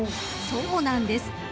［そうなんです。